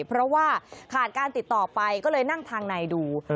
เพราะว่าขาดการติดต่อไปก็เลยนั่งทางในดู